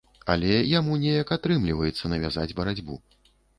Але яму неяк атрымліваецца навязаць барацьбу.